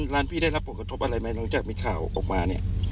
ร้านพี่ได้รับผลกระทบอะไรไหมหลังจากมีข่าวออกมาเนี่ย